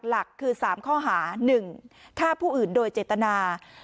หลักคือ๓ข้อหา๑ฆ่าผู้อื่นโดยเจตนา